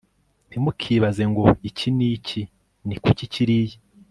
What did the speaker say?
ntimukibaze ngo iki ni iki? ni kuki kiriya